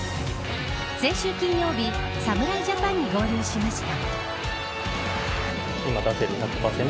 先週金曜日侍ジャパンに合流しました。